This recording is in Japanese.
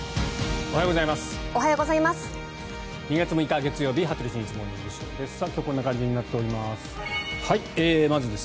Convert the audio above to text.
おはようございます。